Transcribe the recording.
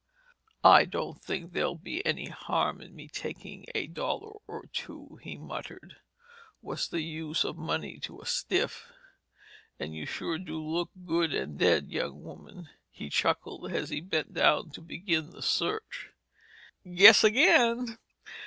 "I don't think there'll be any harm in me takin' a dollar or two," he muttered. "What's the use of money to a stiff? And you sure do look good and dead, young woman!" he chuckled as he bent down to begin the search. "Guess again!"